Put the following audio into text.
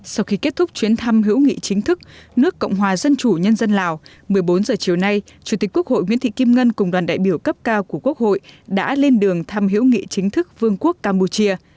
sau khi kết thúc chuyến thăm hữu nghị chính thức nước cộng hòa dân chủ nhân dân lào một mươi bốn h chiều nay chủ tịch quốc hội nguyễn thị kim ngân cùng đoàn đại biểu cấp cao của quốc hội đã lên đường thăm hữu nghị chính thức vương quốc campuchia